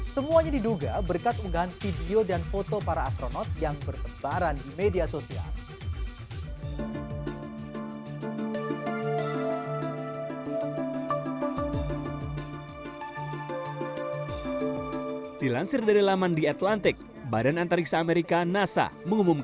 semuanya diduga berkat unggahan video dan foto para astronot yang bertebaran di media sosial